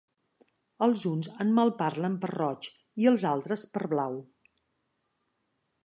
Els uns en malparlen per roig i els altres per blau.